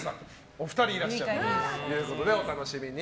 お二人いらっしゃるということでお楽しみに。